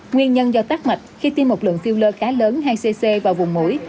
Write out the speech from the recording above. nguyên nhân do tắt mạch khi tiêm một lượng filler khá lớn hai cc vào vùng mũi